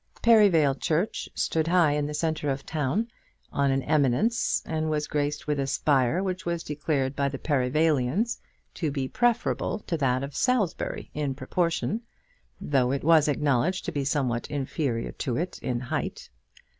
Perivale church stood high in the centre of the town, on an eminence, and was graced with a spire which was declared by the Perivalians to be preferable to that of Salisbury in proportion, though it was acknowledged to be somewhat inferior to it in height.